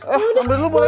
eh ambil dulu boleh ya